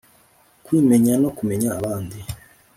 Kwimenya no kumenya abandi